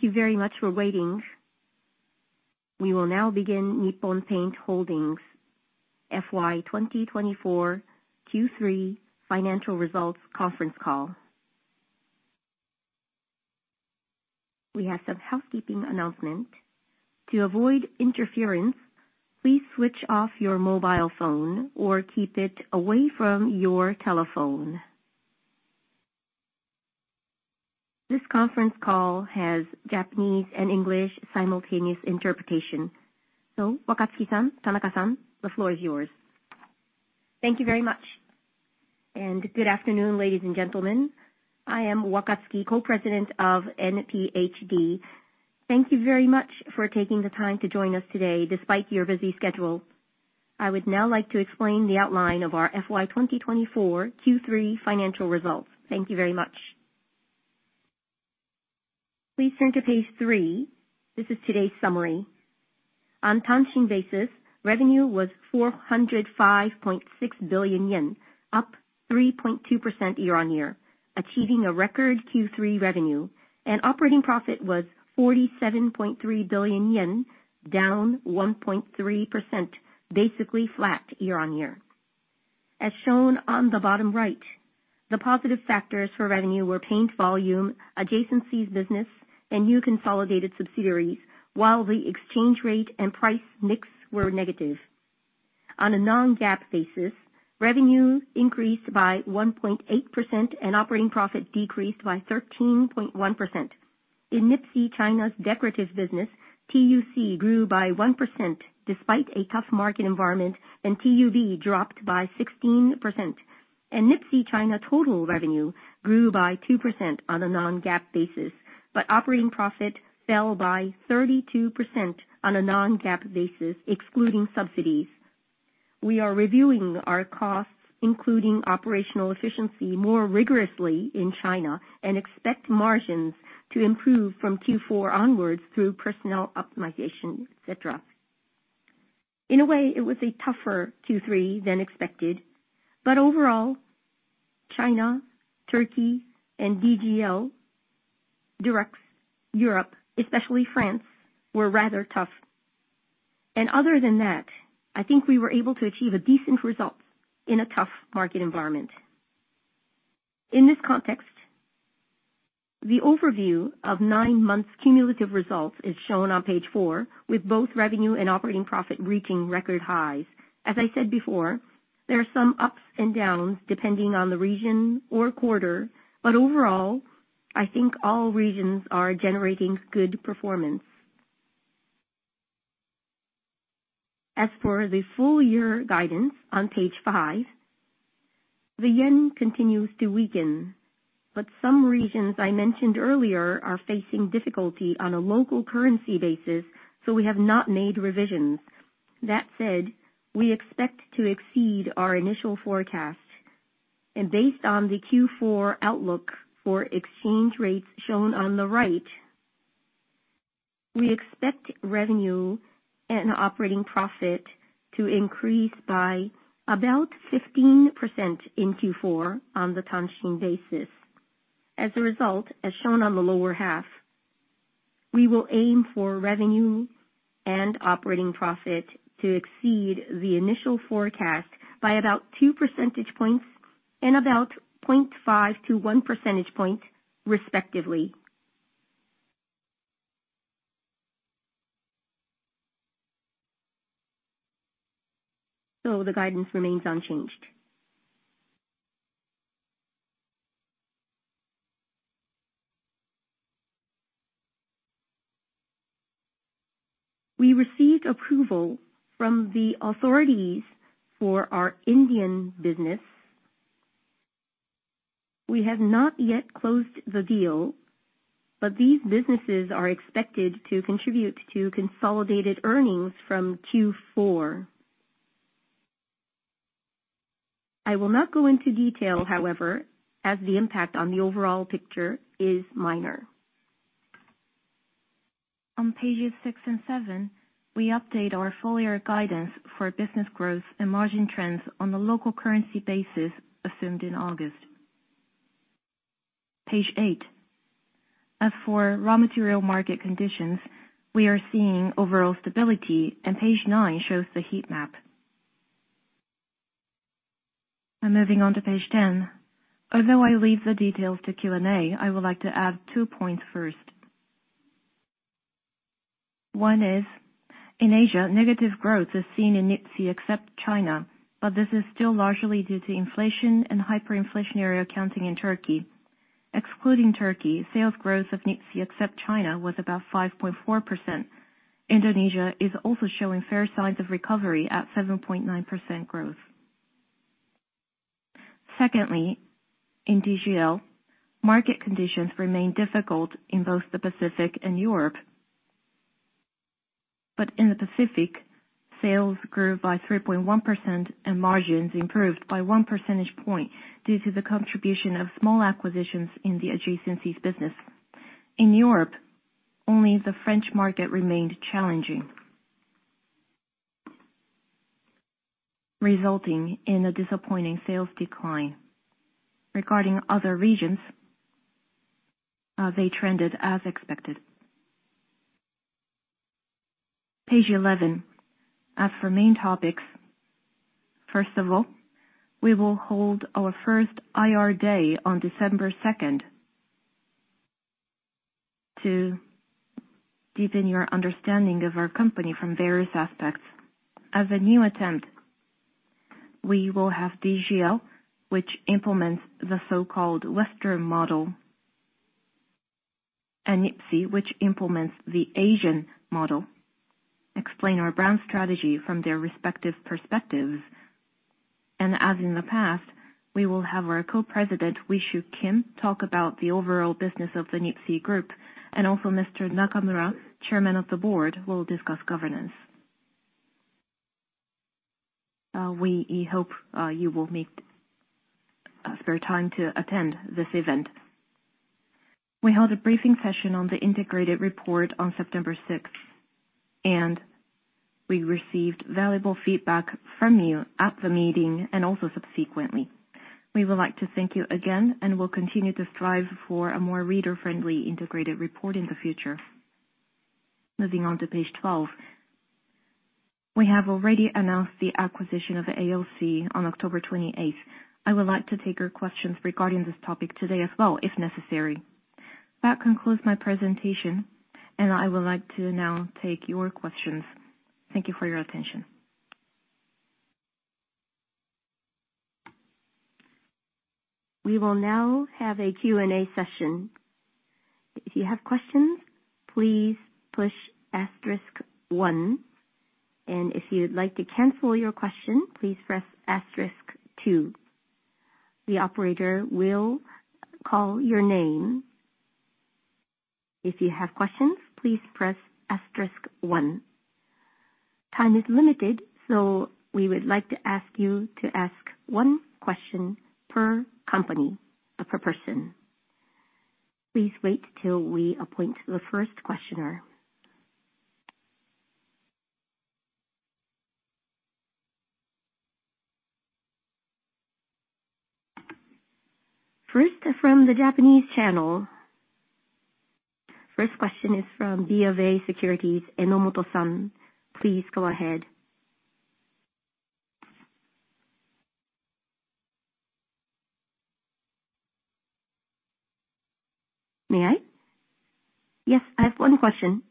Thank you very much for waiting. We will now begin Nippon Paint Holdings' FY 2024 Q3 financial results conference call. We have some housekeeping announcements. To avoid interference, please switch off your mobile phone or keep it away from your telephone. This conference call has Japanese and English simultaneous interpretation. So, Wakatsuki-san, Tanaka-san, the floor is yours. Thank you very much. Good afternoon, ladies and gentlemen. I am Wakatsuki, Co-President of NPHD. Thank you very much for taking the time to join us today despite your busy schedule. I would now like to explain the outline of our FY 2024 Q3 financial results. Thank you very much. Please turn to page three. This is today's summary. On a Tanshin basis, revenue was 405.6 billion yen, up 3.2% year-on-year, achieving a record Q3 revenue. Operating profit was 47.3 billion yen, down 1.3%, basically flat year-on-year. As shown on the bottom right, the positive factors for revenue were paint volume, adjacencies business, and new consolidated subsidiaries, while the exchange rate and price mix were negative. On a non-GAAP basis, revenue increased by 1.8% and operating profit decreased by 13.1%. In NIPSEA China's decorative business, TUC grew by 1% despite a tough market environment, and TUV dropped by 16%. NIPSEA China's total revenue grew by 2% on a non-GAAP basis, but operating profit fell by 32% on a non-GAAP basis, excluding subsidies. We are reviewing our costs, including operational efficiency, more rigorously in China and expect margins to improve from Q4 onwards through personnel optimization, etc. In a way, it was a tougher Q3 than expected, but overall, China, Turkey, and DGL, Dulux, Europe, especially France, were rather tough. Other than that, I think we were able to achieve decent results in a tough market environment. In this context, the overview of nine months' cumulative results is shown on page four, with both revenue and operating profit reaching record highs. As I said before, there are some ups and downs depending on the region or quarter, but overall, I think all regions are generating good performance. As for the full-year guidance on page five, the yen continues to weaken, but some regions I mentioned earlier are facing difficulty on a local currency basis, so we have not made revisions. That said, we expect to exceed our initial forecast. And based on the Q4 outlook for exchange rates shown on the right, we expect revenue and operating profit to increase by about 15% in Q4 on the Tanshin basis. As a result, as shown on the lower half, we will aim for revenue and operating profit to exceed the initial forecast by about two percentage points and about 0.5-1 percentage point, respectively. So the guidance remains unchanged. We received approval from the authorities for our Indian business. We have not yet closed the deal, but these businesses are expected to contribute to consolidated earnings from Q4. I will not go into detail, however, as the impact on the overall picture is minor. On pages six and seven, we update our full-year guidance for business growth and margin trends on the local currency basis assumed in August. Page eight. As for raw material market conditions, we are seeing overall stability, and page nine shows the heat map. I'm moving on to page 10. Although I leave the details to Q&A, I would like to add two points first. One is, in Asia, negative growth is seen in NIPSEA except China, but this is still largely due to inflation and hyperinflationary accounting in Turkey. Excluding Turkey, sales growth of NIPSEA except China was about 5.4%. Indonesia is also showing fair signs of recovery at 7.9% growth. Secondly, in DGL, market conditions remain difficult in both the Pacific and Europe. But in the Pacific, sales grew by 3.1% and margins improved by one percentage point due to the contribution of small acquisitions in the adjacencies business. In Europe, only the French market remained challenging, resulting in a disappointing sales decline. Regarding other regions, they trended as expected. Page 11. As for main topics, first of all, we will hold our first IR Day on December 2nd to deepen your understanding of our company from various aspects. As a new attempt, we will have DGL, which implements the so-called Western model, and NIPSEA, which implements the Asian model, explain our brand strategy from their respective perspectives. And as in the past, we will have our co-president, Wee Siew Kim, talk about the overall business of the NIPSEA Group, and also Mr. Nakamura, Chairman of the Board, will discuss governance. We hope you will spare time to attend this event. We held a briefing session on the integrated report on September 6th, and we received valuable feedback from you at the meeting and also subsequently. We would like to thank you again and will continue to strive for a more reader-friendly integrated report in the future. Moving on to page 12. We have already announced the acquisition of AOC on October 28th. I would like to take your questions regarding this topic today as well, if necessary. That concludes my presentation, and I would like to now take your questions. Thank you for your attention. We will now have a Q&A session. If you have questions, please push asterisk one, and if you'd like to cancel your question, please press asterisk two. The operator will call your name. If you have questions, please press asterisk one. Time is limited, so we would like to ask you to ask one question per company, per person. Please wait till we appoint the first questioner. First, from the Japanese channel, first question is from BofA Securities, Enomoto-san. Please go ahead. May I? Yes, I have one question.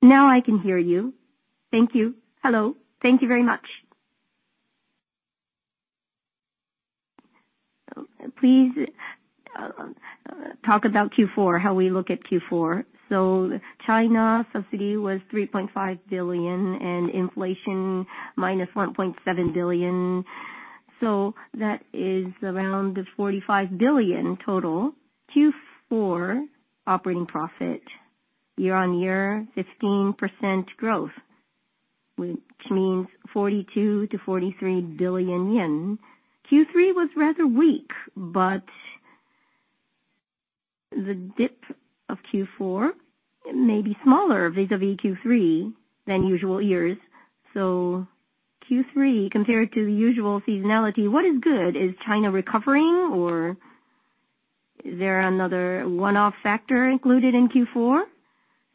Now I can hear you. Thank you. Hello. Thank you very much. Please talk about Q4, how we look at Q4. So, China subsidy was 3.5 billion and inflation minus 1.7 billion. So that is around 45 billion total. Q4 operating profit, year-on-year, 15% growth, which means 42-43 billion yen. Q3 was rather weak, but the dip of Q4 may be smaller vis-à-vis Q3 than usual years. So Q3, compared to the usual seasonality, what is good? Is China recovering, or is there another one-off factor included in Q4?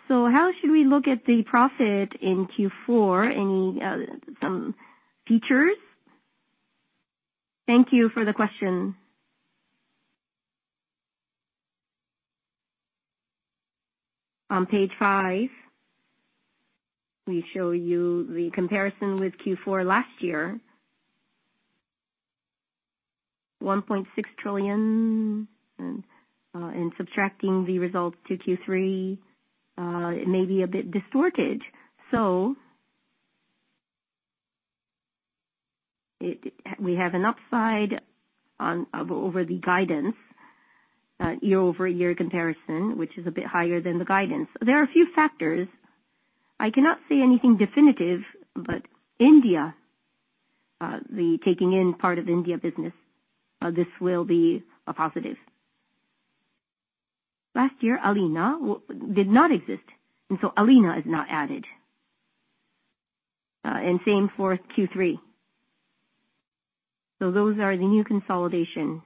So how should we look at the profit in Q4? Any features? Thank you for the question. On page five, we show you the comparison with Q4 last year. 1.6 trillion, and subtracting the results to Q3, it may be a bit distorted. So, we have an upside over the guidance, year-over-year comparison, which is a bit higher than the guidance. There are a few factors. I cannot say anything definitive, but India, the taking in part of India business, this will be a positive. Last year, Alina did not exist, and so Alina is not added. And same for Q3. So those are the new consolidation.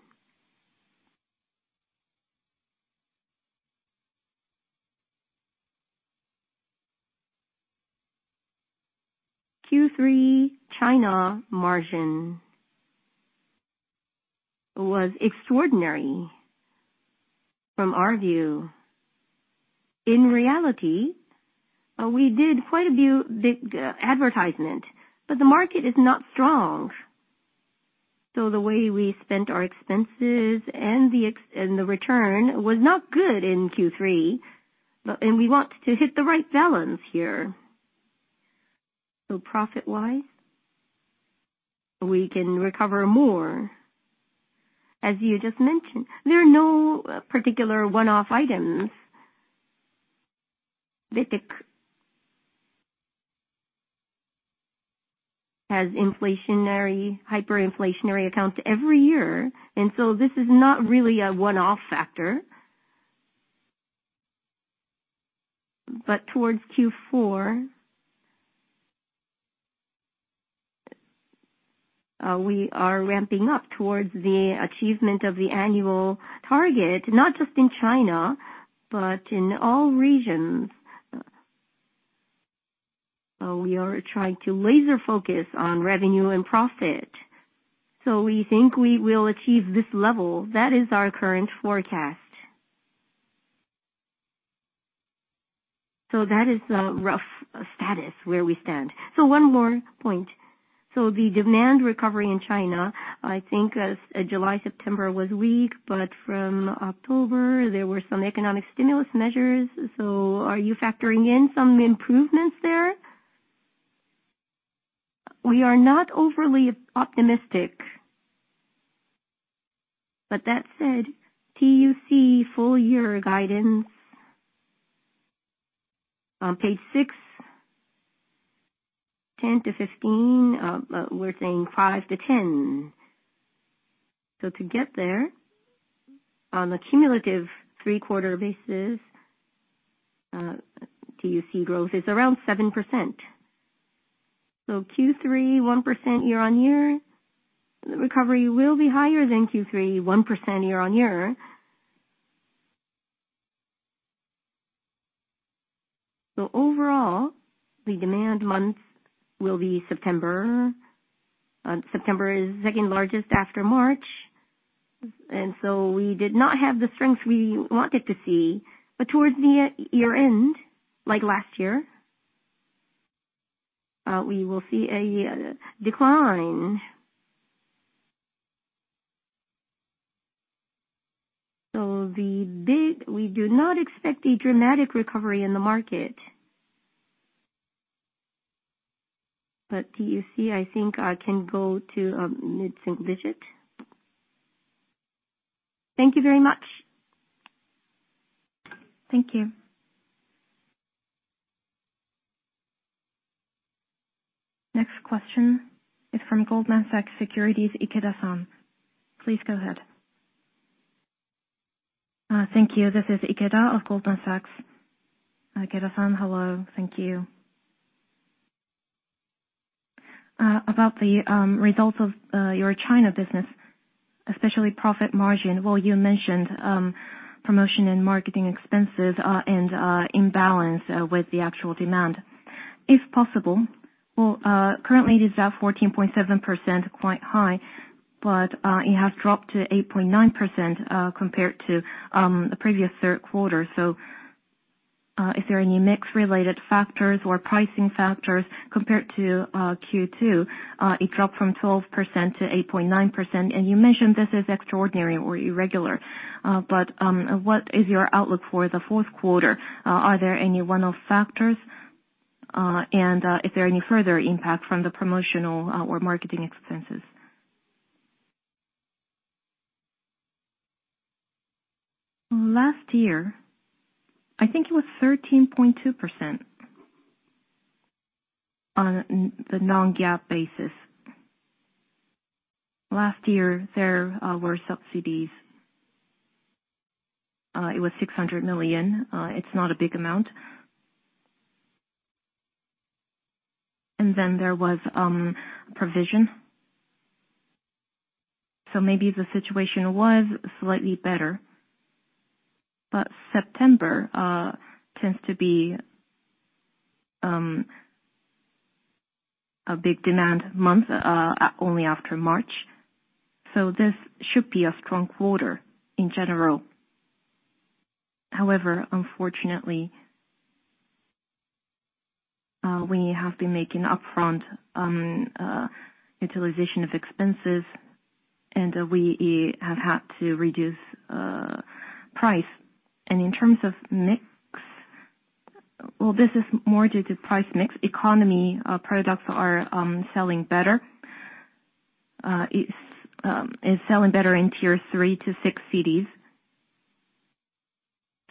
Q3 China margin was extraordinary from our view. In reality, we did quite a bit of advertisement, but the market is not strong. So the way we spent our expenses and the return was not good in Q3, and we want to hit the right balance here. So, profit-wise, we can recover more. As you just mentioned, there are no particular one-off items. Betek has inflationary, hyperinflationary accounts every year, and so this is not really a one-off factor. But towards Q4, we are ramping up towards the achievement of the annual target, not just in China, but in all regions. We are trying to laser-focus on revenue and profit. So, we think we will achieve this level. That is our current forecast. So that is the rough status where we stand. So, one more point. So, the demand recovery in China, I think July-September was weak, but from October, there were some economic stimulus measures. So, are you factoring in some improvements there? We are not overly optimistic. But that said, TUC full-year guidance on page six, 10%-15%, we're saying 5%-10%. So, to get there, on a cumulative three-quarter basis, TUC growth is around 7%. So Q3, 1% year-on-year. The recovery will be higher than Q3, 1% year-on-year. So overall, the demand month will be September. September is second largest after March. And so, we did not have the strength we wanted to see, but towards the year-end, like last year, we will see a decline. So, we do not expect a dramatic recovery in the market. But TUC, I think, can go to a mid-single digit. Thank you very much. Thank you. Next question is from Goldman Sachs, Ikeda-san. Please go ahead. Thank you. This is Ikeda of Goldman Sachs. Ikeda-san, hello. Thank you. About the results of your China business, especially profit margin, well, you mentioned promotion and marketing expenses and imbalance with the actual demand. If possible, well, currently it is at 14.7%, quite high, but it has dropped to 8.9% compared to the previous third quarter. So, is there any mix-related factors or pricing factors compared to Q2? It dropped from 12%-8.9%. And you mentioned this is extraordinary or irregular. But what is your outlook for the fourth quarter? Are there any one-off factors? And is there any further impact from the promotional or marketing expenses? Last year, I think it was 13.2% on the non-GAAP basis. Last year, there were subsidies. It was 600 million. It's not a big amount. And then there was provision. So maybe the situation was slightly better. But September tends to be a big demand month only after March. So, this should be a strong quarter in general. However, unfortunately, we have been making upfront utilization of expenses, and we have had to reduce price. And in terms of mix, well, this is more due to price mix. Economy products are selling better. It's selling better in Tier 3 to six cities,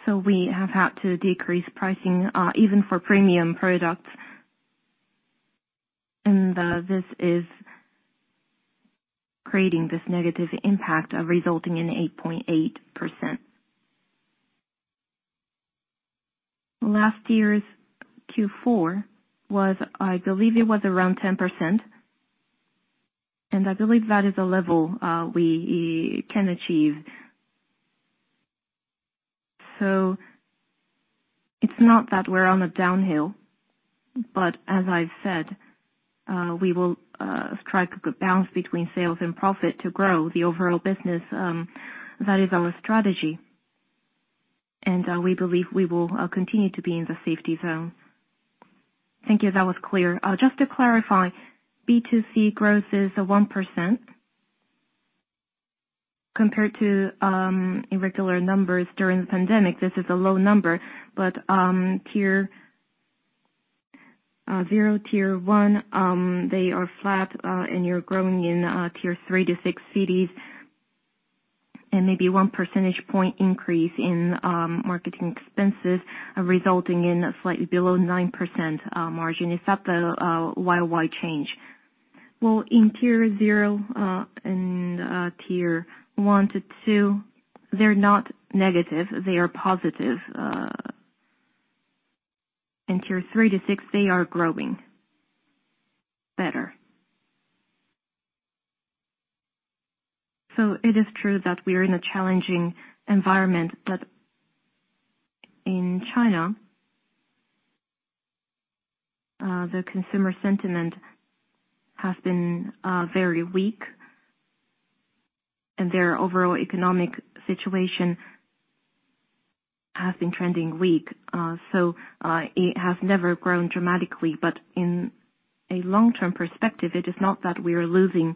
so we have had to decrease pricing even for premium products, and this is creating this negative impact of resulting in 8.8%. Last year's Q4 was, I believe it was around 10%, and I believe that is a level we can achieve, so it's not that we're on a downhill, but as I've said, we will strike a good balance between sales and profit to grow the overall business. That is our strategy, and we believe we will continue to be in the safety zone. Thank you. That was clear. Just to clarify, B2C growth is 1%. Compared to irregular numbers during the pandemic, this is a low number, but Tier 0, Tier 1, they are flat, and you're growing in Tier 3 to six cities, and maybe one percentage point increase in marketing expenses resulting in slightly below 9% margin. Is that the YY change? Well, in Tier 1 and Tier 1-Tier 2, they're not negative. They are positive. In Tier 3-Tier 6, they are growing better. So, it is true that we are in a challenging environment, but in China, the consumer sentiment has been very weak, and their overall economic situation has been trending weak. So, it has never grown dramatically, but in a long-term perspective, it is not that we are losing.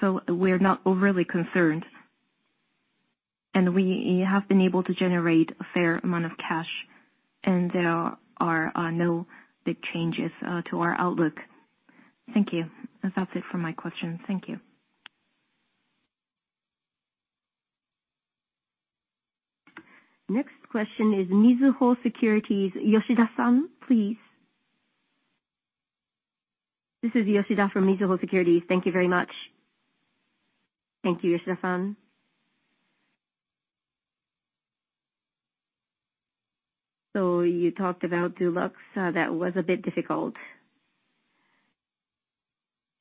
So, we're not overly concerned. And we have been able to generate a fair amount of cash, and there are no big changes to our outlook. Thank you. That's it for my question. Thank you. Next question is Mizuho Securities, Yoshida-san, please. This is Yoshida from Mizuho Securities. Thank you very much. Thank you, Yoshida-san. So you talked about Dulux. That was a bit difficult.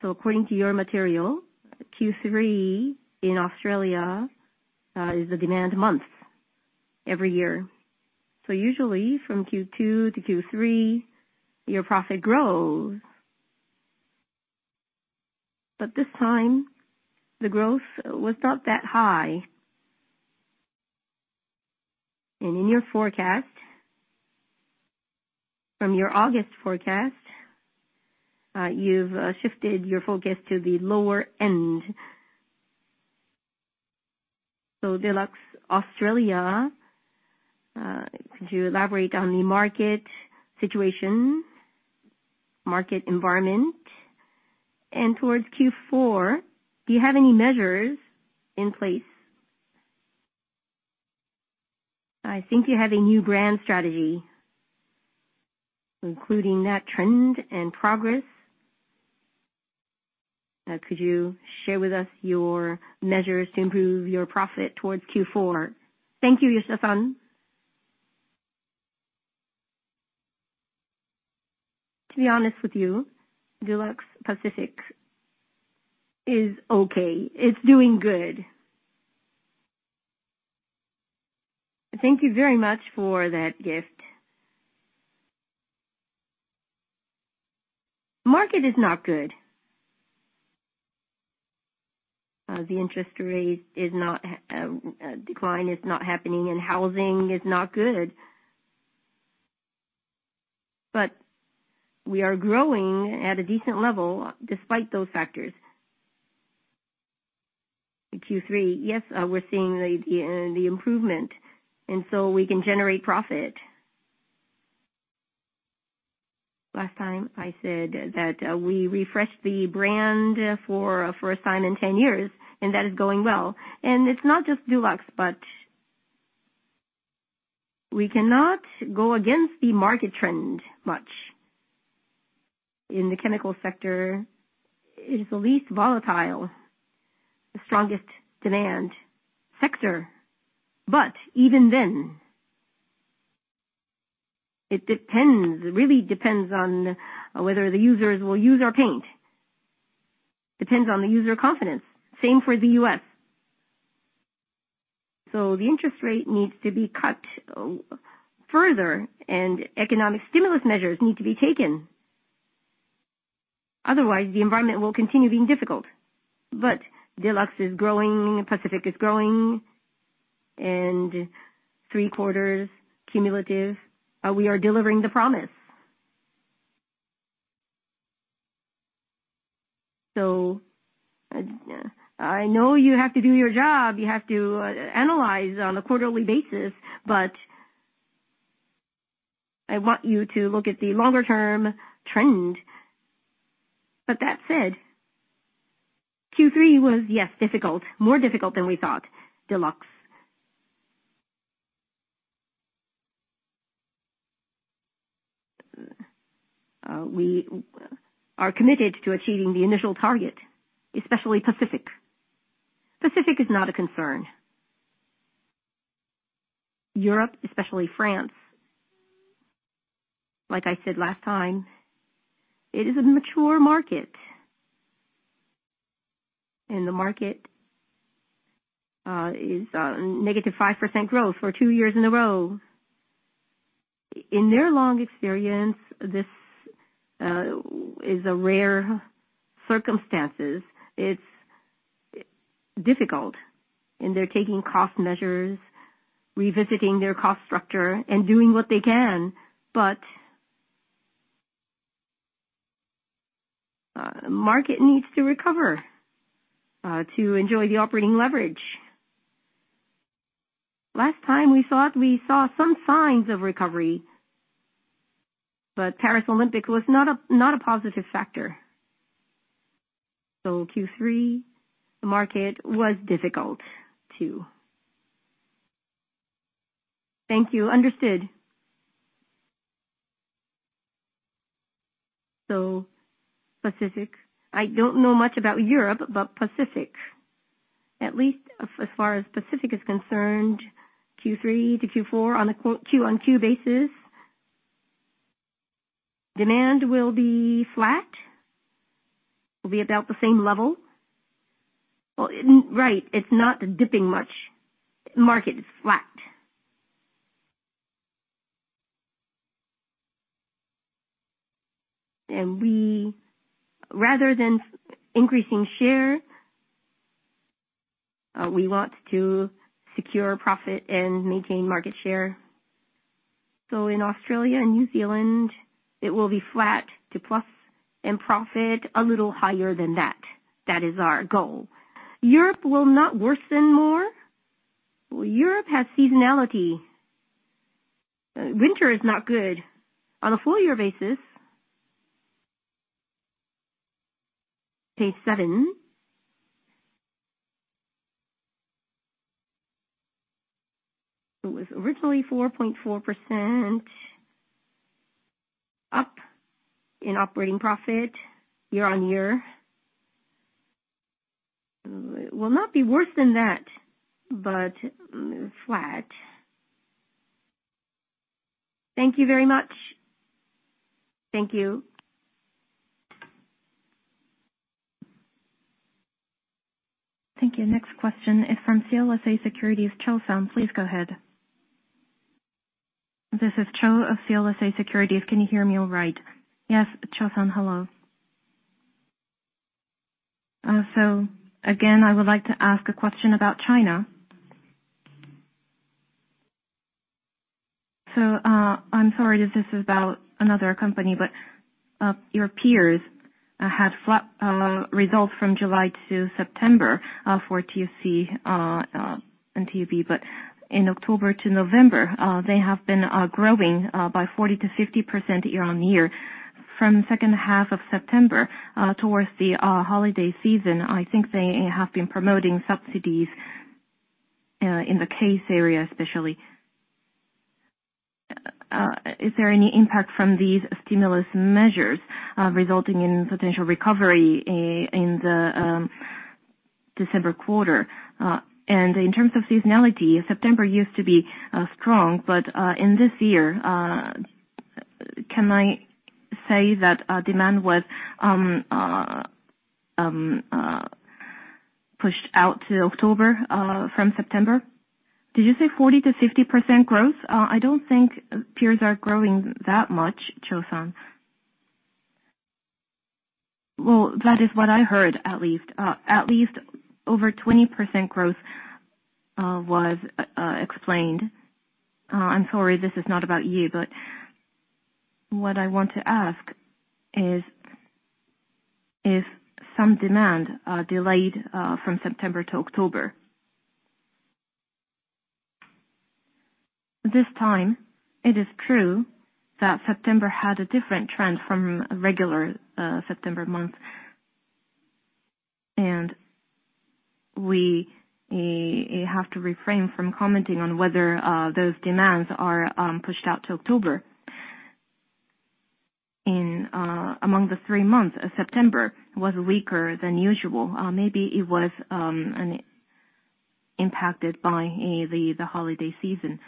According to your material, Q3 in Australia is the demand month every year. Usually, from Q2 to Q3, your profit grows. But this time, the growth was not that high. In your forecast, from your August forecast, you've shifted your focus to the lower end. Dulux Australia, could you elaborate on the market situation, market environment? Towards Q4, do you have any measures in place? I think you have a new brand strategy, including that trend and progress. Could you share with us your measures to improve your profit towards Q4? Thank you, Yoshida-san. To be honest with you, Dulux Pacific is okay. It's doing good. Thank you very much for that gift. Market is not good. The interest rate decline is not happening, and housing is not good. But we are growing at a decent level despite those factors. Q3, yes, we're seeing the improvement. And so we can generate profit. Last time, I said that we refreshed the brand for a first time in 10 years, and that is going well. And it's not just Dulux, but we cannot go against the market trend much. In the chemical sector, it is the least volatile, strongest demand sector. But even then, it really depends on whether the users will use our paint. Depends on the user confidence. Same for the U.S. So the interest rate needs to be cut further, and economic stimulus measures need to be taken. Otherwise, the environment will continue being difficult. But Dulux is growing, Pacific is growing, and three quarters cumulative, we are delivering the promise. So, I know you have to do your job. You have to analyze on a quarterly basis, but I want you to look at the longer-term trend. But that said, Q3 was, yes, difficult, more difficult than we thought, Dulux. We are committed to achieving the initial target, especially Pacific. Pacific is not a concern. Europe, especially France, like I said last time, it is a mature market, and the market is -5% growth for two years in a row. In their long experience, this is a rare circumstance. It's difficult, and they're taking cost measures, revisiting their cost structure, and doing what they can. But market needs to recover to enjoy the operating leverage. Last time, we thought we saw some signs of recovery, but Paris Olympics was not a positive factor. So Q3, the market was difficult too. Thank you. Understood. Pacific, I don't know much about Europe, but Pacific, at least as far as Pacific is concerned, Q3-Q4 on a Q-on-Q basis, demand will be flat. It will be about the same level. Well, right, it's not dipping much. Market is flat, and rather than increasing share, we want to secure profit and maintain market share, so in Australia and New Zealand, it will be flat to plus and profit a little higher than that. That is our goal. Europe will not worsen more. Well, Europe has seasonality. Winter is not good on a four-year basis. Page seven. It was originally 4.4% up in operating profit year-on-year. It will not be worse than that, but flat. Thank you very much. Thank you. Thank you. Next question is from CLSA Securities. Cho-san, please go ahead. This is Cho of CLSA Securities. Can you hear me all right? Yes, Cho-san, hello, so again, I would like to ask a question about China. I'm sorry if this is about another company, but your peers had flat results from July to September for TUC and TUV but in October to November, they have been growing by 40%-50% year-on-year. From second half of September towards the holiday season, I think they have been promoting subsidies in the CASE area, especially. Is there any impact from these stimulus measures resulting in potential recovery in the December quarter? In terms of seasonality, September used to be strong, but in this year, can I say that demand was pushed out to October from September? Did you say 40%-50% growth? I don't think peers are growing that much, Cho-san. That is what I heard, at least. At least over 20% growth was explained. I'm sorry, this is not about you, but what I want to ask is if some demand delayed from September to October. This time, it is true that September had a different trend from regular September month. And we have to refrain from commenting on whether those demands are pushed out to October. Among the three months, September was weaker than usual. Maybe it was impacted by the holiday season.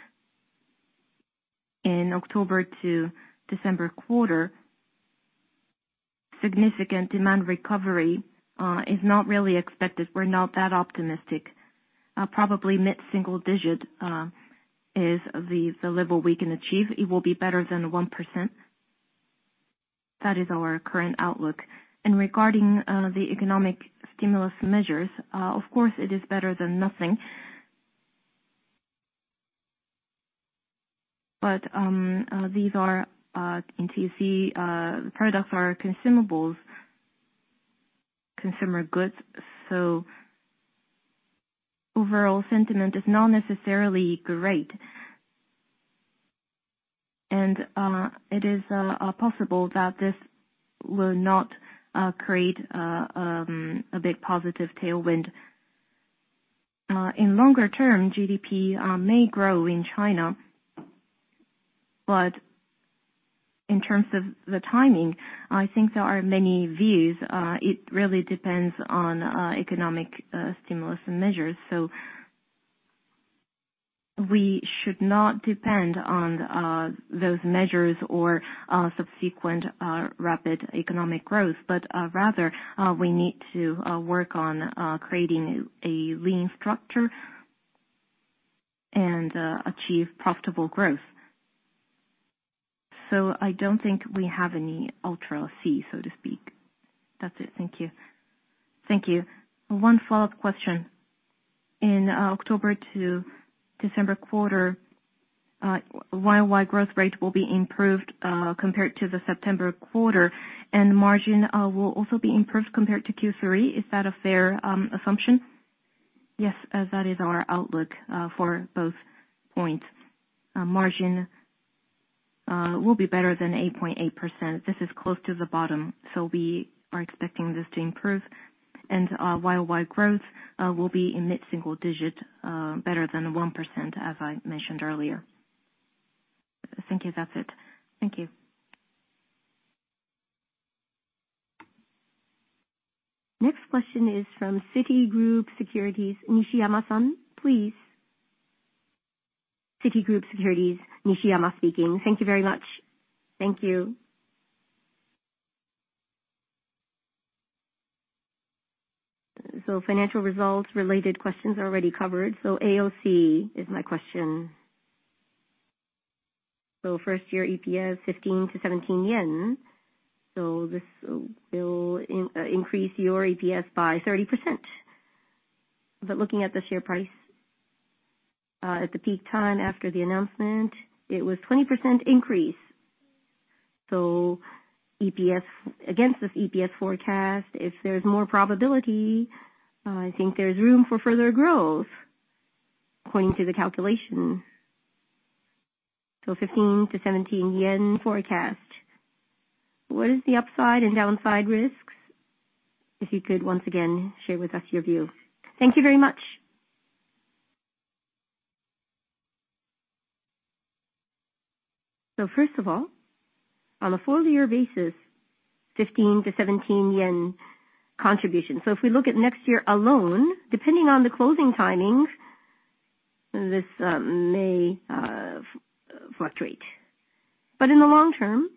In October to December quarter, significant demand recovery is not really expected. We're not that optimistic. Probably mid-single digit is the level we can achieve. It will be better than 1%. That is our current outlook. And regarding the economic stimulus measures, of course, it is better than nothing. But these are in TUC products, are consumables, consumer goods. So overall sentiment is not necessarily great. And it is possible that this will not create a big positive tailwind. In longer term, GDP may grow in China. But in terms of the timing, I think there are many views. It really depends on economic stimulus measures. So we should not depend on those measures or subsequent rapid economic growth, but rather we need to work on creating a lean structure and achieve profitable growth. So, I don't think we have any Ultra C, so to speak. That's it. Thank you. Thank you. One follow-up question. In October to December quarter, YY growth rate will be improved compared to the September quarter, and margin will also be improved compared to Q3. Is that a fair assumption? Yes, that is our outlook for both points. Margin will be better than 8.8%. This is close to the bottom. So we are expecting this to improve. And YY growth will be in mid-single digit, better than 1%, as I mentioned earlier. Thank you. That's it. Thank you. Next question is from Citigroup Global Markets, Nishiyama-san, please. Citigroup Global Markets, Nishiyama speaking. Thank you very much. Thank you. So financial results-related questions already covered. So, AOC is my question. So first-year EPS, 15-17 yen. So, this will increase your EPS by 30%. But looking at the share price at the peak time after the announcement, it was 20% increase. So, against this EPS forecast, if there's more probability, I think there's room for further growth according to the calculation. So, 15-17 yen forecast. What is the upside and downside risks? If you could once again share with us your view. Thank you very much. So first of all, on a four-year basis, 15-17 yen contribution. So, if we look at next year alone, depending on the closing timing, this may fluctuate. But in the long term,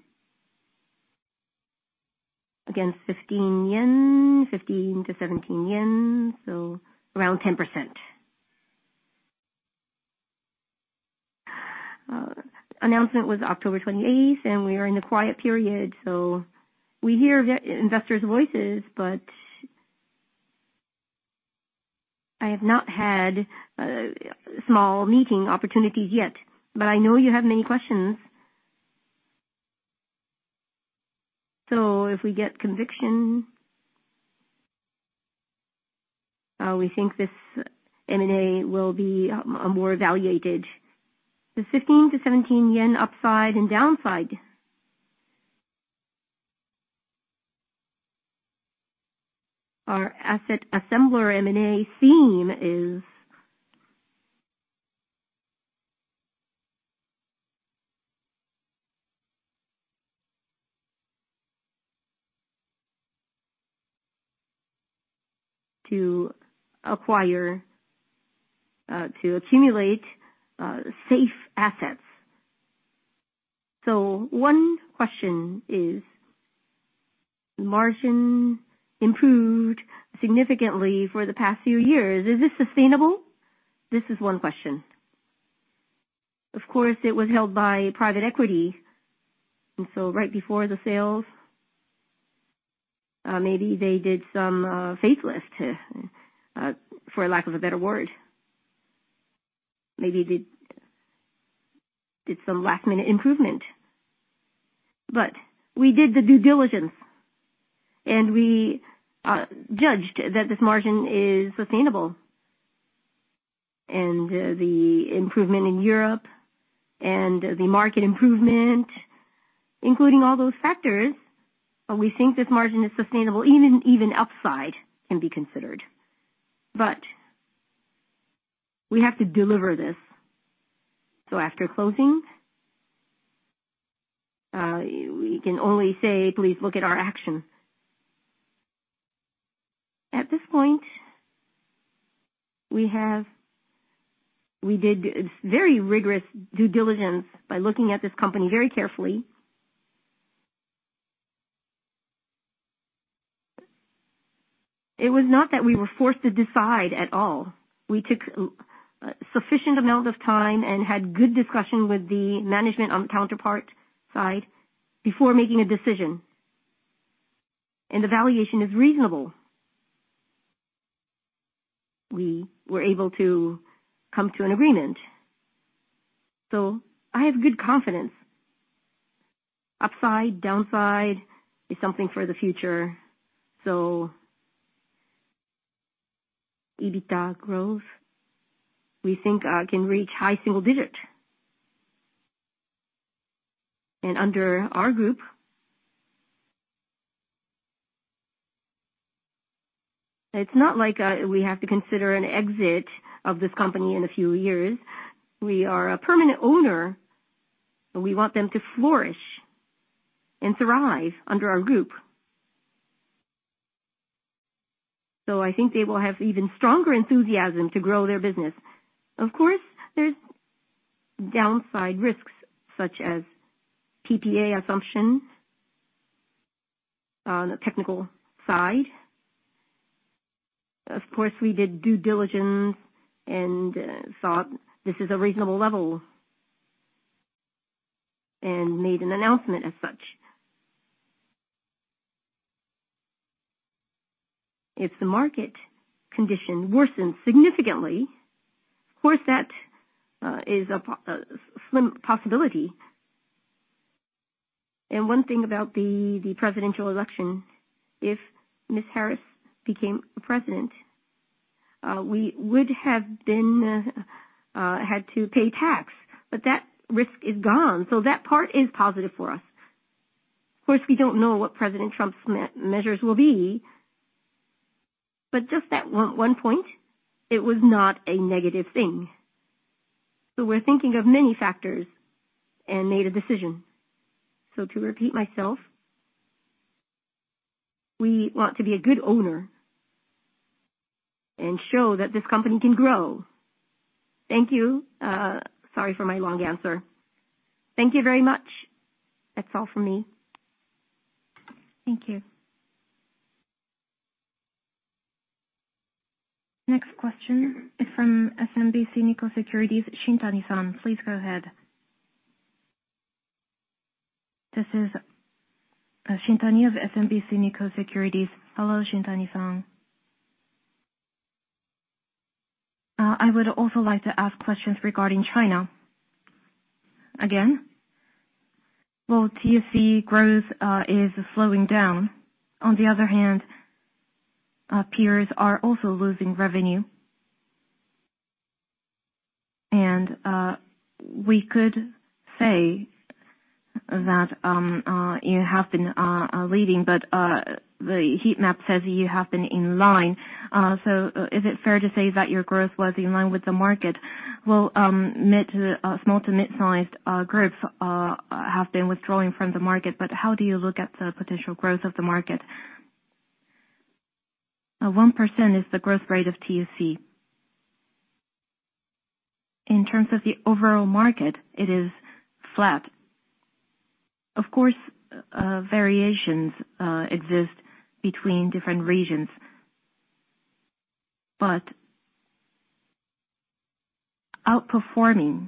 again, 15 yen, 15-17 yen, so around 10%. Announcement was October 28th, and we are in the quiet period. So, we hear investors' voices, but I have not had small meeting opportunities yet. But I know you have many questions. So, if we get conviction, we think this M&A will be more valuated. The 15-17 yen upside and downside. Our Asset Assembler M&A theme is to acquire, to accumulate safe assets. So, one question is, margin improved significantly for the past few years. Is this sustainable? This is one question. Of course, it was held by private equity. And so right before the sales, maybe they did some facelift for lack of a better word. Maybe did some last-minute improvement. But we did the due diligence, and we judged that this margin is sustainable. The improvement in Europe and the market improvement, including all those factors, we think this margin is sustainable. Even upside can be considered. But we have to deliver this. So, after closing, we can only say, please look at our action. At this point, we did very rigorous due diligence by looking at this company very carefully. It was not that we were forced to decide at all. We took sufficient amount of time and had good discussion with the management on the counterpart side before making a decision. And the valuation is reasonable. We were able to come to an agreement. So, I have good confidence. Upside, downside is something for the future. So, EBITDA growth, we think can reach high single-digit. And under our group, it's not like we have to consider an exit of this company in a few years. We are a permanent owner, and we want them to flourish and thrive under our group. So I think they will have even stronger enthusiasm to grow their business. Of course, there's downside risks such as PPA assumption on the technical side. Of course, we did due diligence and thought this is a reasonable level and made an announcement as such. If the market condition worsens significantly, of course, that is a slim possibility, and one thing about the presidential election, if Miss Harris became president, we would have had to pay tax, but that risk is gone, so that part is positive for us. Of course, we don't know what President Trump's measures will be, but just that one point, it was not a negative thing, so we're thinking of many factors and made a decision. So to repeat myself, we want to be a good owner and show that this company can grow. Thank you. Sorry for my long answer. Thank you very much. That's all for me. Thank you. Next question is from SMBC Nikko Securities, Shintani-san. Please go ahead. This is Shintani of SMBC Nikko Securities. Hello, Shintani-san. I would also like to ask questions regarding China. Again, well, TUC growth is slowing down. On the other hand, peers are also losing revenue. And we could say that you have been leading, but the heat map says you have been in line. So, is it fair to say that your growth was in line with the market? Well, small to mid-sized groups have been withdrawing from the market. But how do you look at the potential growth of the market? 1% is the growth rate of TUC. In terms of the overall market, it is flat. Of course, variations exist between different regions. But outperforming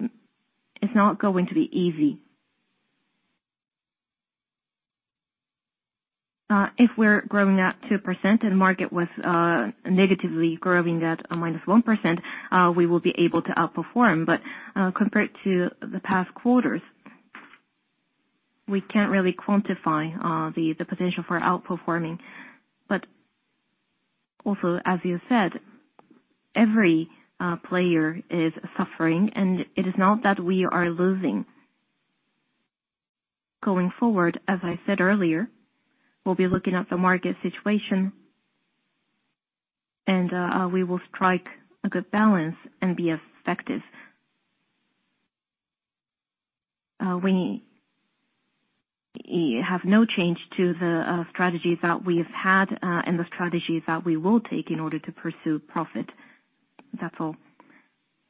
is not going to be easy. If we're growing at 2% and the market was negatively growing at -1%, we will be able to outperform. But compared to the past quarters, we can't really quantify the potential for outperforming. But also, as you said, every player is suffering. And it is not that we are losing. Going forward, as I said earlier, we'll be looking at the market situation, and we will strike a good balance and be effective. We have no change to the strategy that we have had and the strategy that we will take in order to pursue profit. That's all.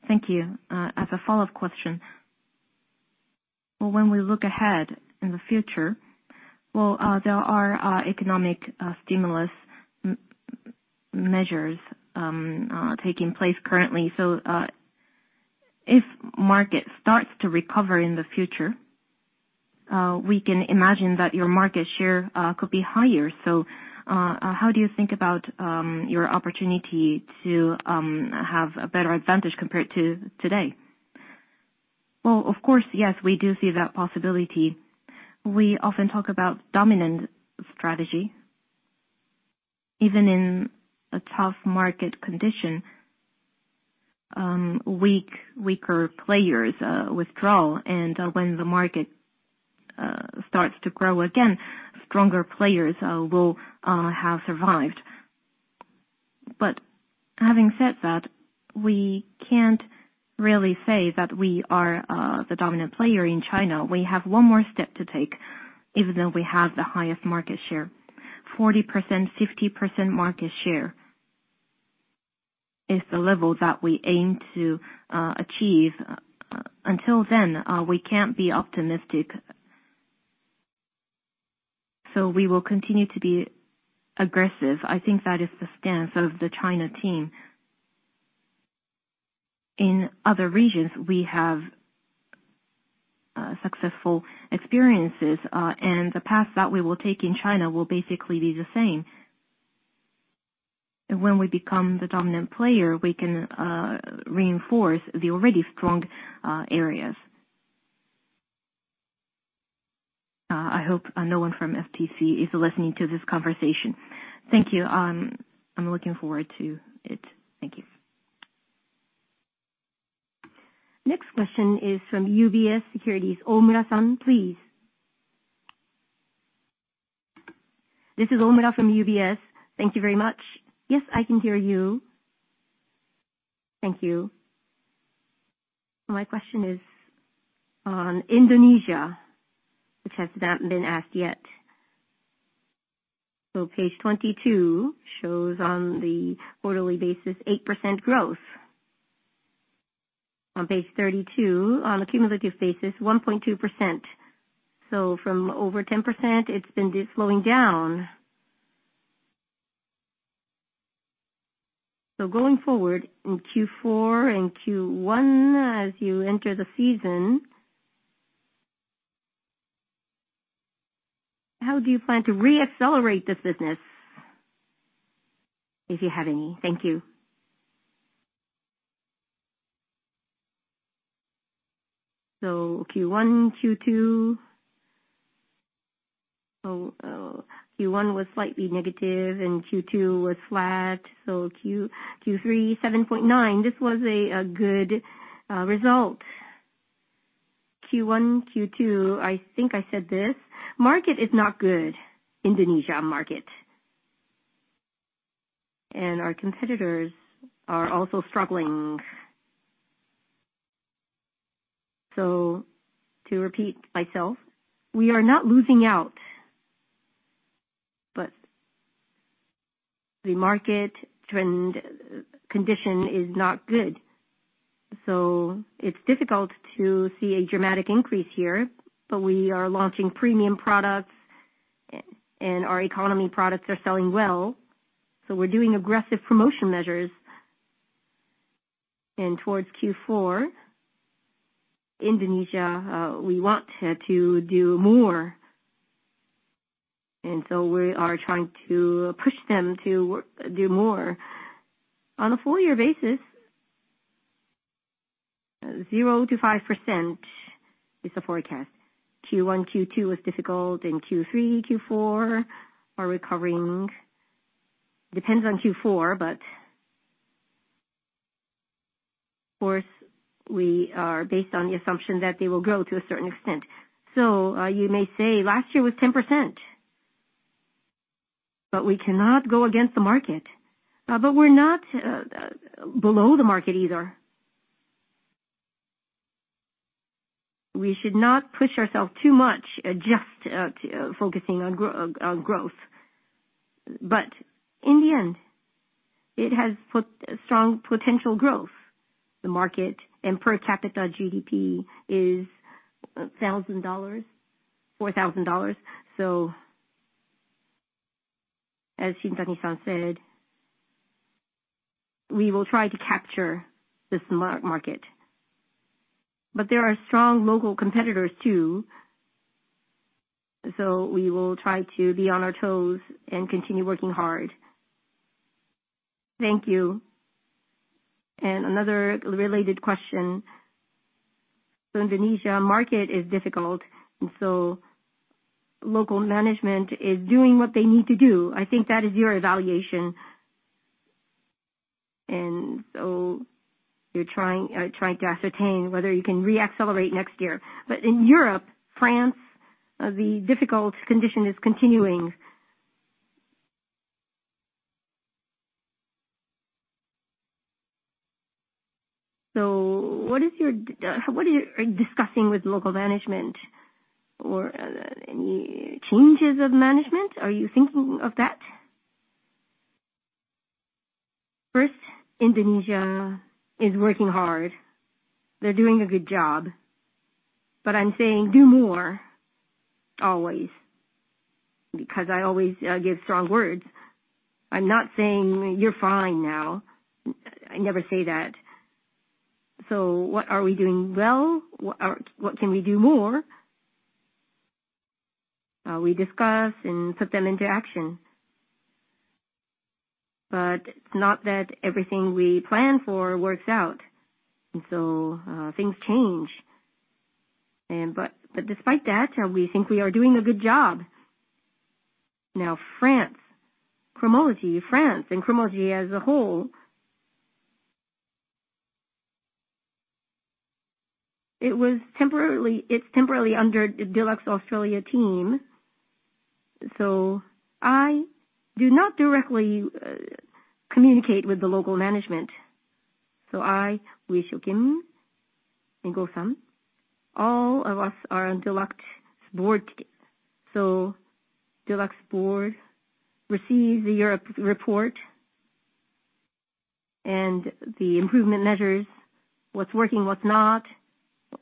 Thank you. As a follow-up question, well, when we look ahead in the future, well, there are economic stimulus measures taking place currently. So if the market starts to recover in the future, we can imagine that your market share could be higher. So how do you think about your opportunity to have a better advantage compared to today? Well, of course, yes, we do see that possibility. We often talk about dominant strategy. Even in a tough market condition, weaker players withdraw. And when the market starts to grow again, stronger players will have survived. But having said that, we can't really say that we are the dominant player in China. We have one more step to take, even though we have the highest market share. 40%, 50% market share is the level that we aim to achieve. Until then, we can't be optimistic. So, we will continue to be aggressive. I think that is the stance of the China team. In other regions, we have successful experiences. The path that we will take in China will basically be the same. When we become the dominant player, we can reinforce the already strong areas. I hope no one from FTC is listening to this conversation. Thank you. I'm looking forward to it. Thank you. Next question is from UBS Securities, Omura-san, please. This is Omura from UBS. Thank you very much. Yes, I can hear you. Thank you. My question is on Indonesia, which has not been asked yet. Page 22 shows on the quarterly basis 8% growth. On page 32, on the cumulative basis, 1.2%. From over 10%, it's been slowing down. Going forward in Q4 and Q1, as you enter the season, how do you plan to re-accelerate this business if you have any? Thank you. Q1, Q2. Q1 was slightly negative, and Q2 was flat. Q3, 7.9%. This was a good result. Q1, Q2, I think I said this. Market is not good, Indonesia market, and our competitors are also struggling, so to repeat myself, we are not losing out, but the market trend condition is not good, so it's difficult to see a dramatic increase here, but we are launching premium products, and our economy products are selling well, so we're doing aggressive promotion measures, and towards Q4, Indonesia, we want to do more, and so we are trying to push them to do more on a four-year basis. 0%-5% is the forecast. Q1, Q2 was difficult, and Q3, Q4 are recovering. Depends on Q4, but of course, we are based on the assumption that they will grow to a certain extent, so you may say last year was 10%, but we cannot go against the market, but we're not below the market either. We should not push ourselves too much just focusing on growth, but in the end, it has put strong potential growth. The market and per capita GDP is $1,000-$4,000, so as Shintani-san said, we will try to capture this market, but there are strong local competitors too, so we will try to be on our toes and continue working hard. Thank you, and another related question, so Indonesia market is difficult, and so local management is doing what they need to do. I think that is your evaluation, and so you're trying to ascertain whether you can re-accelerate next year, but in Europe, France, the difficult condition is continuing, so what you're discussing with local management or any changes of management? Are you thinking of that? First, Indonesia is working hard. They're doing a good job, but I'm saying do more always because I always give strong words. I'm not saying you're fine now. I never say that. So what are we doing well? What can we do more? We discuss and put them into action. But it's not that everything we plan for works out. And so things change. But despite that, we think we are doing a good job. Now, France, Cromology, France and Cromology as a whole, it's temporarily under the Dulux Australia team. So, I do not directly communicate with the local management. So, I, Wee Siew Kim, and Goh Hup Jin, all of us are on Dulux Board. So, Dulux Board receives the Europe report and the improvement measures, what's working, what's not,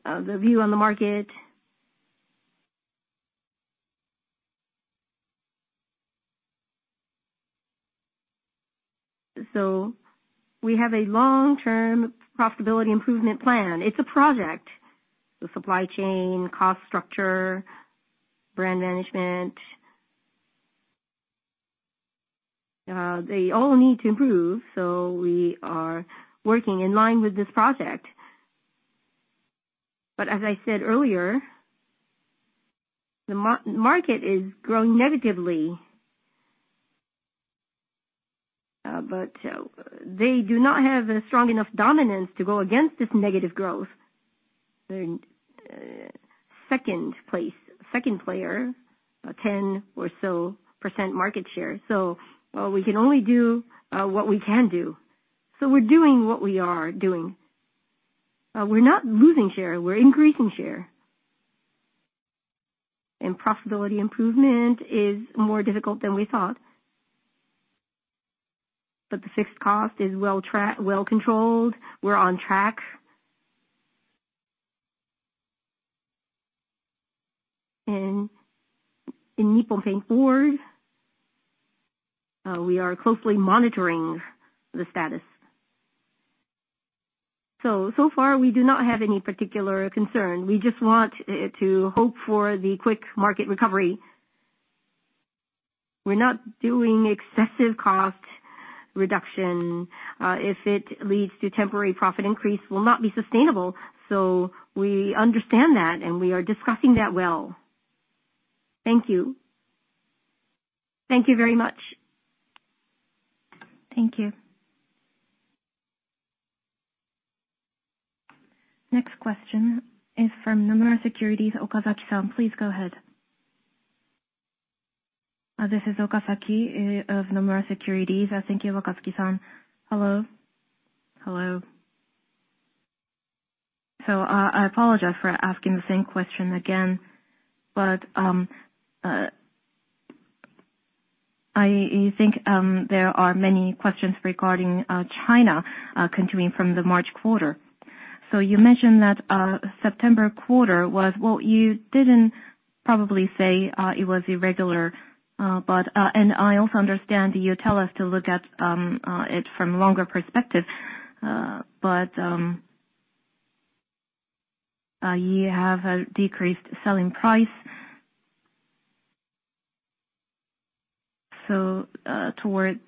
the view on the market. So, we have a long-term profitability improvement plan. It's a project. The supply chain, cost structure, brand management, they all need to improve. So, we are working in line with this project. But as I said earlier, the market is growing negatively. But they do not have a strong enough dominance to go against this negative growth. Second place, second player, 10% or so market share. So, we can only do what we can do. So, we're doing what we are doing. We're not losing share. We're increasing share. And profitability improvement is more difficult than we thought. But the fixed cost is well controlled. We're on track. And in Nippon Paint Board, we are closely monitoring the status. So far, we do not have any particular concern. We just want to hope for the quick market recovery. We're not doing excessive cost reduction. If it leads to temporary profit increase, it will not be sustainable. So, we understand that, and we are discussing that well. Thank you. Thank you very much. Thank you. Next question is from Nomura Securities, Okazaki-san. Please go ahead. This is Okazaki of Nomura Securities. Thank you, Okazaki-san. Hello. Hello. I apologize for asking the same question again. I think there are many questions regarding China continuing from the March quarter. You mentioned that September quarter was, well, you didn't probably say it was irregular. I also understand you tell us to look at it from a longer perspective. You have a decreased selling price toward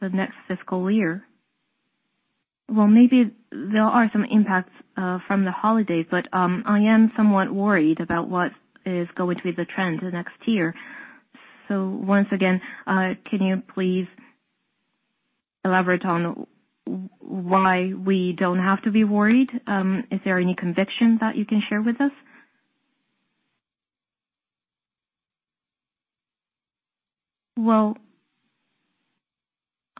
the next fiscal year. Maybe there are some impacts from the holidays. I am somewhat worried about what is going to be the trend the next year. Once again, can you please elaborate on why we don't have to be worried? Is there any conviction that you can share with us?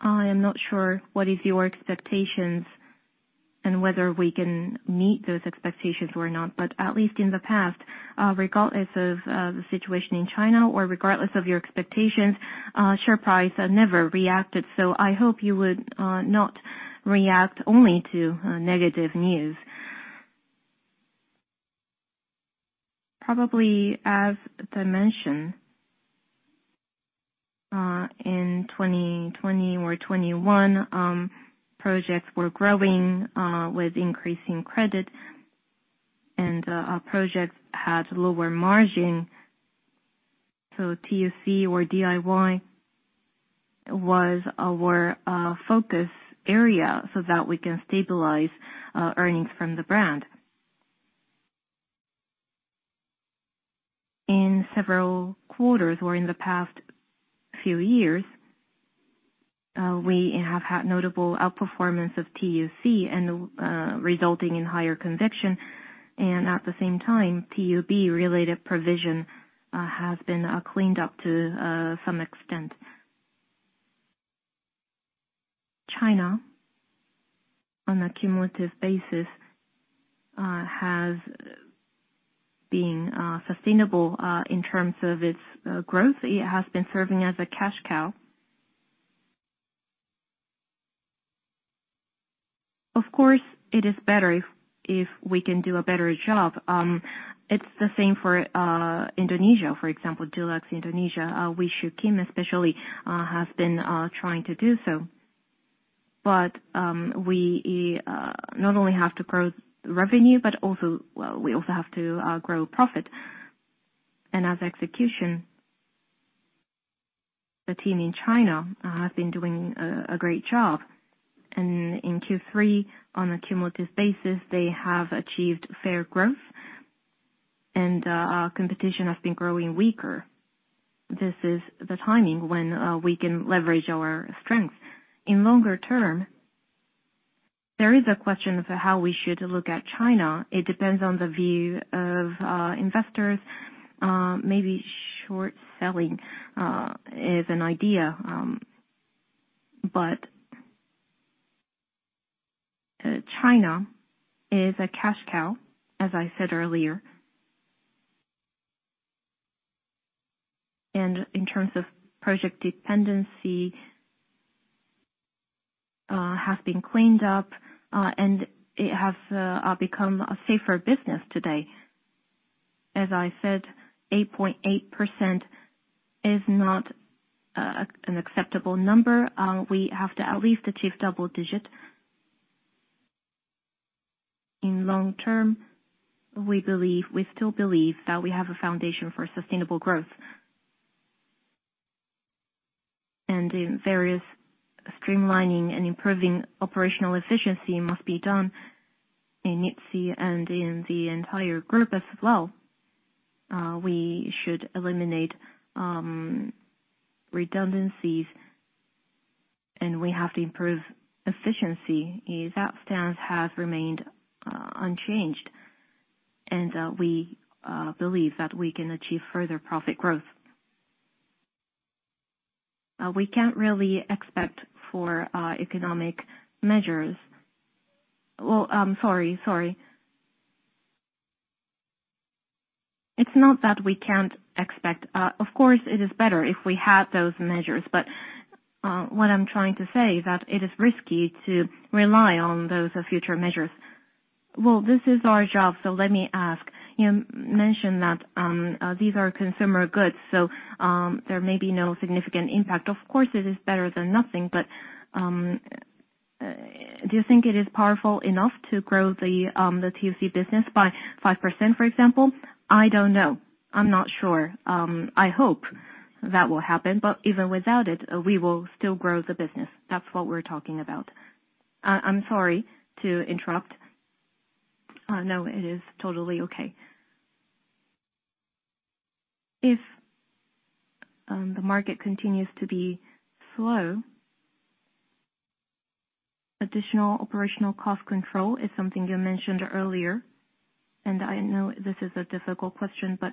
I am not sure what your expectations are and whether we can meet those expectations or not. But at least in the past, regardless of the situation in China or regardless of your expectations, share price never reacted. So, I hope you would not react only to negative news. Probably, as I mentioned, in 2020 or 2021, projects were growing with increasing credit. And projects had lower margin. So, TUC or DIY was our focus area so that we can stabilize earnings from the brand. In several quarters or in the past few years, we have had notable outperformance of TUC resulting in higher conviction. And at the same time, TUB-related provision has been cleaned up to some extent. China, on a cumulative basis, has been sustainable in terms of its growth. It has been serving as a cash cow. Of course, it is better if we can do a better job. It's the same for Indonesia, for example, Dulux Indonesia. Wee Siew Kim, especially, has been trying to do so. We not only have to grow revenue, but we also have to grow profit. And as execution, the team in China has been doing a great job. And in Q3, on a cumulative basis, they have achieved fair growth. And competition has been growing weaker. This is the timing when we can leverage our strength. In the longer term, there is a question of how we should look at China. It depends on the view of investors. Maybe short selling is an idea. China is a cash cow, as I said earlier. And in terms of project dependency, it has been cleaned up. And it has become a safer business today. As I said, 8.8% is not an acceptable number. We have to at least achieve double digit. In the long term, we still believe that we have a foundation for sustainable growth. And various streamlining and improving operational efficiency must be done in NIPSEA and in the entire group as well. We should eliminate redundancies. And we have to improve efficiency. That stance has remained unchanged. And we believe that we can achieve further profit growth. We can't really expect for economic measures. Well, I'm sorry. Sorry. It's not that we can't expect. Of course, it is better if we had those measures. But what I'm trying to say is that it is risky to rely on those future measures. Well, this is our job. So let me ask. You mentioned that these are consumer goods. So, there may be no significant impact. Of course, it is better than nothing. But do you think it is powerful enough to grow the TUC business by 5%, for example? I don't know. I'm not sure. I hope that will happen. But even without it, we will still grow the business. That's what we're talking about. I'm sorry to interrupt. No, it is totally okay. If the market continues to be slow, additional operational cost control is something you mentioned earlier. And I know this is a difficult question. But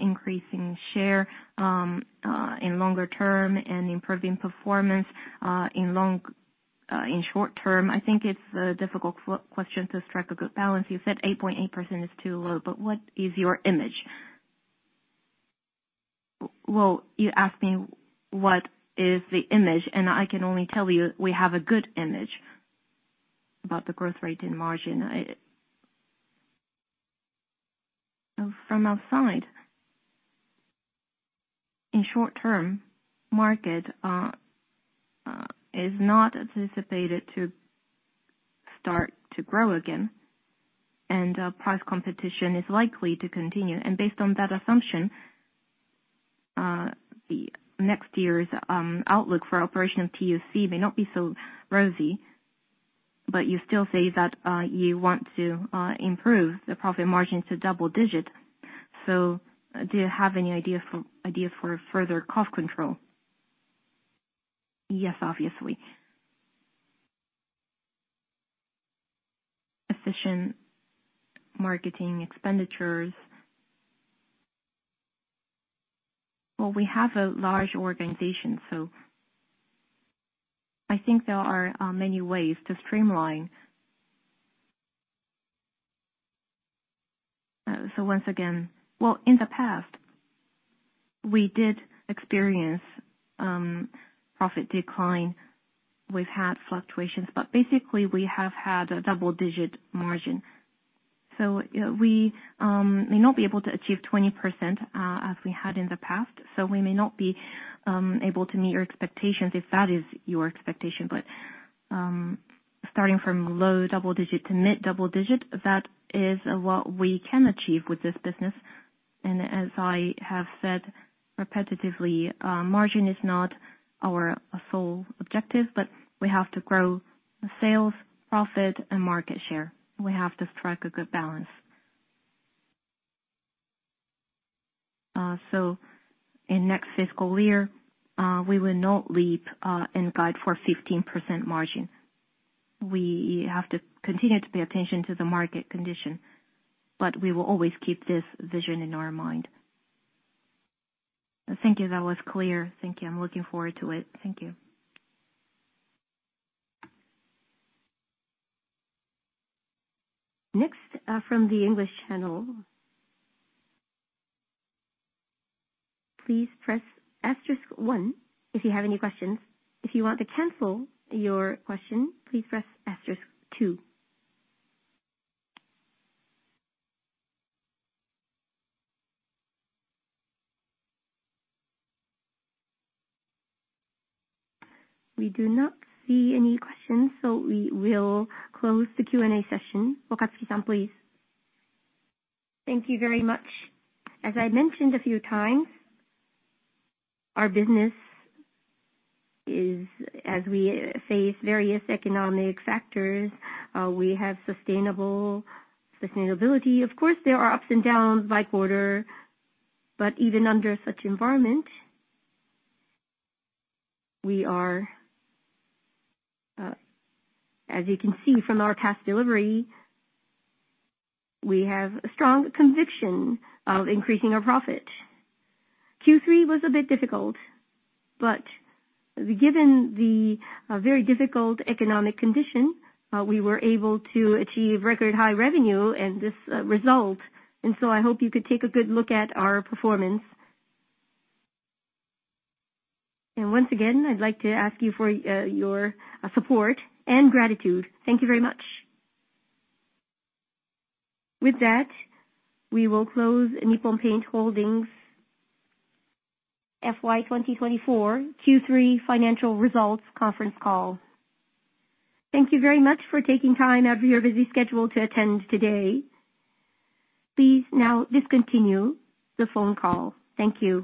increasing share in longer term and improving performance in short term, I think it's a difficult question to strike a good balance. You said 8.8% is too low. But what is your image? Well, you asked me what is the image. And I can only tell you we have a good image about the growth rate and margin. From outside, in short term, the market is not anticipated to start to grow again. And price competition is likely to continue. And based on that assumption, the next year's outlook for operational TUC may not be so rosy. But you still say that you want to improve the profit margin to double-digit. So do you have any ideas for further cost control? Yes, obviously. Efficient marketing expenditures. Well, we have a large organization. So I think there are many ways to streamline. So once again, well, in the past, we did experience profit decline. We've had fluctuations. But basically, we have had a double-digit margin. So, we may not be able to achieve 20% as we had in the past. So, we may not be able to meet your expectations if that is your expectation. But starting from low double-digit to mid double-digit, that is what we can achieve with this business. And as I have said repetitively, margin is not our sole objective. But we have to grow sales, profit, and market share. We have to strike a good balance. So in next fiscal year, we will not leap and guide for 15% margin. We have to continue to pay attention to the market condition. But we will always keep this vision in our mind. Thank you. That was clear. Thank you. I'm looking forward to it. Thank you. Next, from the English Channel, please press asterisk one if you have any questions. If you want to cancel your question, please press asterisk two. We do not see any questions. So, we will close the Q&A session. Wakatsuki-san, please. Thank you very much. As I mentioned a few times, our business is, as we face various economic factors, we have sustainability. Of course, there are ups and downs by quarter. But even under such environment, we are, as you can see from our past delivery, we have a strong conviction of increasing our profit. Q3 was a bit difficult. But given the very difficult economic condition, we were able to achieve record-high revenue and this result. And so I hope you could take a good look at our performance. And once again, I'd like to ask you for your support and gratitude. Thank you very much. With that, we will close Nippon Paint Holdings FY 2024 Q3 Financial Results Conference Call. Thank you very much for taking time out of your busy schedule to attend today. Please now discontinue the phone call. Thank you.